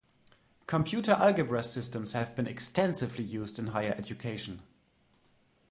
Computer algebra systems have been extensively used in higher education.